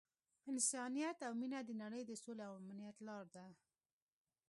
انسانیت او مینه د نړۍ د سولې او امنیت لاره ده.